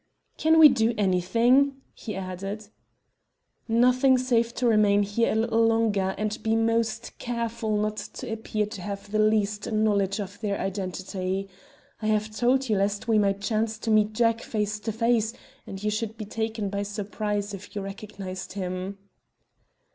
"Can we do anything?" he added. "Nothing save to remain here a little longer and be most careful not to appear to have the least knowledge of their identity. I have told you lest we might chance to meet Jack face to face, and you should be taken by surprise if you recognized him."